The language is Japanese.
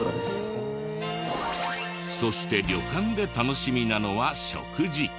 そして旅館で楽しみなのは食事。